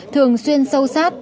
thường xuyên sâu sát